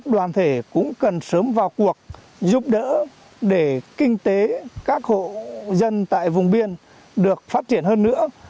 đoàn thể cũng cần sớm vào cuộc giúp đỡ để kinh tế các hộ dân tại vùng biên được phát triển hơn nữa